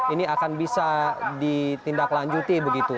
ini akan bisa ditindaklanjuti begitu